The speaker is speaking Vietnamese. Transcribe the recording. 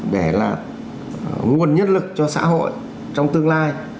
để là nguồn nhân lực cho xã hội trong tương lai